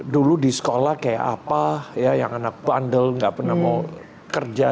dulu di sekolah kayak apa ya yang anak bandel nggak pernah mau kerja